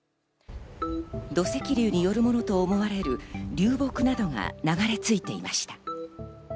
土石流によるものと思われる流木などが流れ着いていました。